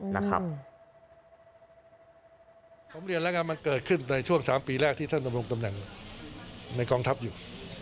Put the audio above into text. ผมเรียนแล้วกันมันเกิดขึ้นในช่วง๓ปีแรกที่ท่านดำรงตำแหน่งในกองทัพอยู่